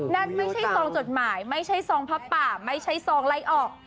นั่นไม่ใช่ซองจดหมายไม่ใช่ซองผ้าป่าไม่ใช่ซองไล่ออก